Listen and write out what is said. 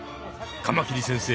カマキリ先生